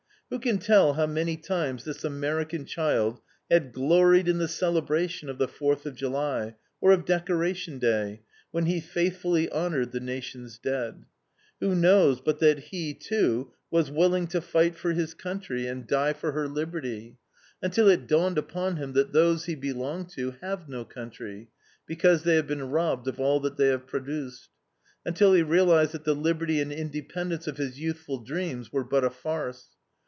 Who can tell how many times this American child had gloried in the celebration of the Fourth of July, or of Decoration Day, when he faithfully honored the Nation's dead? Who knows but that he, too, was willing to "fight for his country and die for her liberty," until it dawned upon him that those he belonged to have no country, because they have been robbed of all that they have produced; until he realized that the liberty and independence of his youthful dreams were but a farce.